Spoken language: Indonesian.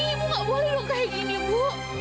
ibu gak boleh dong kayak gini bu